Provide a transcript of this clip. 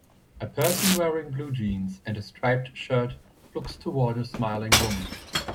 A person wearing blue jeans and a striped shirt looks toward a smiling woman.